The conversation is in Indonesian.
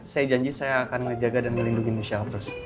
saya janji saya akan menjaga dan melindungi michel terus